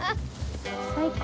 最高。